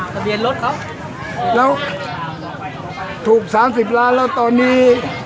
ทะเบียนรถเขาแล้วถูกสามสิบล้านแล้วตอนนี้